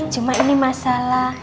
cuma ini masalah